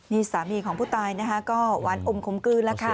นี่สามีของผู้ตายนะคะก็หวานอมคมกลืนแล้วค่ะ